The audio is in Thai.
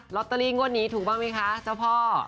ตเตอรี่งวดนี้ถูกบ้างไหมคะเจ้าพ่อ